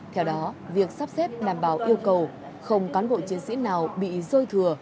theo đó việc sắp xếp đảm bảo yêu cầu không cán bộ chiến sĩ nào bị rơi thừa